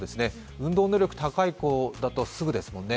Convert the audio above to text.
運動能力の高い子だとすぐですね。